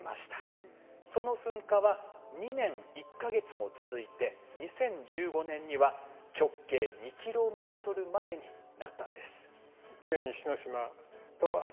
その噴火は２年１か月も続いて２０１５年には直径２ｋｍまでになったんです。